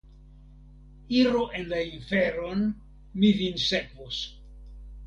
Iru en la inferon, mi vin sekvos!